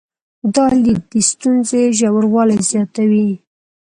دا لید د ستونزې ژوروالي زیاتوي.